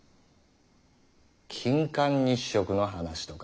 「金環日食」の話とか。